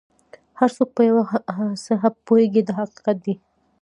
هر څوک په یو څه پوهېږي دا حقیقت دی.